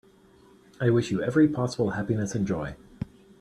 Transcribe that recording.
I wish you every possible happiness and joy.